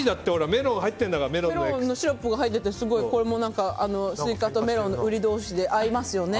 メロンのシロップが入っててスイカとメロンのウリ同士で合いますよね。